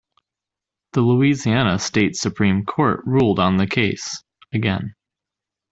The Louisiana State Supreme Court ruled on the case again.